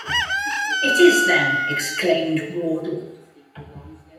‘It is them,’ exclaimed Wardle.